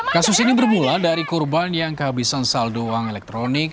kasus ini bermula dari korban yang kehabisan saldo uang elektronik